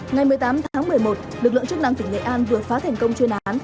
ngày một mươi tám tháng một mươi một lực lượng chức năng tỉnh nghệ an vừa phá thành công chuyên án